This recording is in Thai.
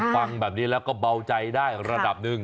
ฟังแบบนี้แล้วก็เบาใจได้ระดับหนึ่ง